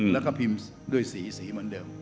แล้วก็พิมพ์ด้วยสีสีเหมือนเดิม